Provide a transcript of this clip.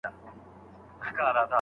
آيا زوجينو ته پخپل منځ کي لمسول جائز دي؟